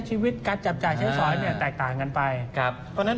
ชีวิตการจับจ่ายใช้สอยเนี่ยแตกต่างกันไปครับเพราะฉะนั้น